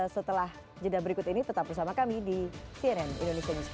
setelah jeda berikut ini tetap bersama kami di cnn indonesia newscast